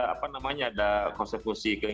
apa namanya ada konsep musik